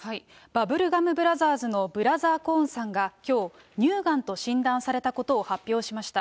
バブルガムブラザーズの、ブラザー・コーンさんがきょう、乳がんと診断されたことを発表しました。